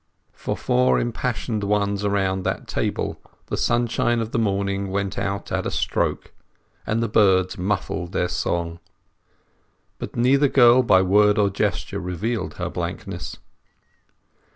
For four impassioned ones around that table the sunshine of the morning went out at a stroke, and the birds muffled their song. But neither girl by word or gesture revealed her blankness.